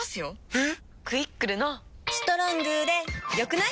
えっ⁉「クイックル」の「『ストロング』で良くない？」